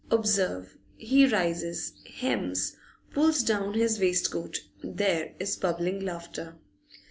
Observe, he rises, hems, pulls down his waistcoat; there is bubbling laughter.